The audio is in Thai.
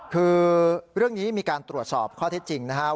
คือเรื่องนี้มีการตรวจสอบข้อเท็จจริงนะครับ